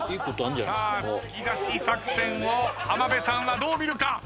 さあ突き出し作戦を浜辺さんはどう見るか？